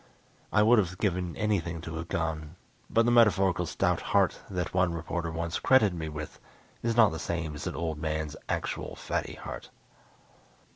I would have given anything to have gone, but the metaphorical stout heart that one reporter once credited me with is not the same as an old man's actual fatty heart.